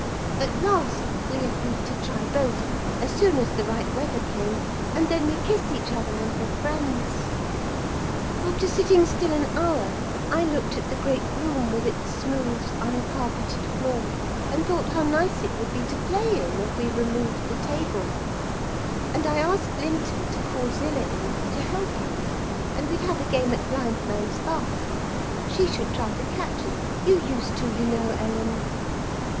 At last, we agreed to try both, as soon as the right weather came; and then we kissed each other and were friends. "After sitting still an hour, I looked at the great room with its smooth uncarpeted floor, and thought how nice it would be to play in, if we removed the table; and I asked Linton to call Zillah in to help us, and we'd have a game at blindman's buff; she should try to catch us: you used to, you know, Ellen.